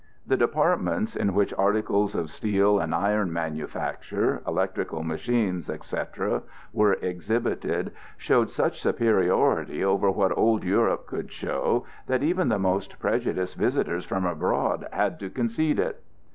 The departments in which articles of steel and iron manufacture, electrical machines, etc., were exhibited showed such superiority over what old Europe could show that even the most prejudiced visitors from abroad had to concede it.